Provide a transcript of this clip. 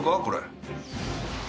これ。